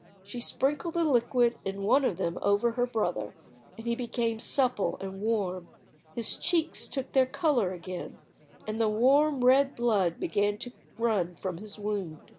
She sprinkled the liquid in one of them over her brother, and he became supple and warm; his cheeks took their colour again, and the warm red blood began to run from his wound.